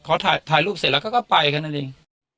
เขาถ่ายรูปเสร็จแล้วเขาก็ไปแค่นั้นเอง